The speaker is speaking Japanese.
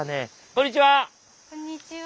こんにちは！